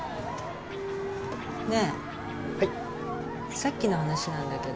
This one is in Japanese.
さっきの話なんだけど。